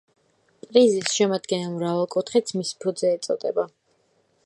პრიზმის შემადგენელ მრავალკუთხედს მისი ფუძე ეწოდება.